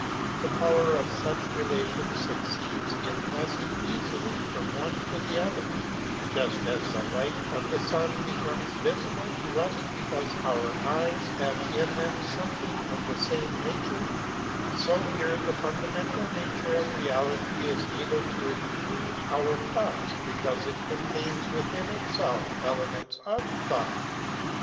The power of such relations succeeds in passing easily from one to the other; just as the light of the sun becomes visible to us because our eyes have in them something of the same nature, so here the fundamental nature of Reality is able to include our Thought because it con tains within itself elements of Thought.